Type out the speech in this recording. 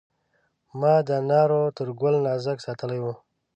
ما د انارو تر ګل نازک ساتلی و.